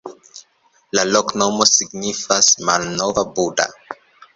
La loknomo signifas: malnova Buda.